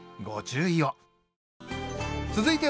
ご注意を。